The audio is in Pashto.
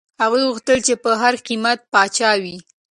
هغه غوښتل چي په هر قیمت پاچا وي.